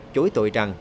nhận tội rằng